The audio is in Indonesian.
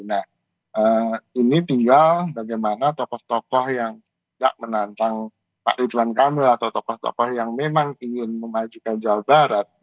nah ini tinggal bagaimana tokoh tokoh yang tidak menantang pak ridwan kamil atau tokoh tokoh yang memang ingin memajukan jawa barat